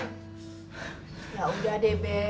ya udah deh be